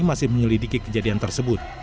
masih menyelidiki kejadian tersebut